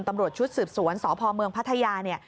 ตำรวจชุดสืบสวนสพเมืองพัทยาเนี่ย